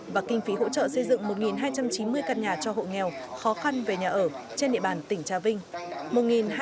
và kinh phí hỗ trợ xây dựng một hai trăm chín mươi căn nhà cho hộ nghèo khó khăn về nhà ở trên địa bàn tỉnh trà vinh